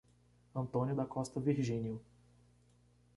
Antônio da Costa Virginio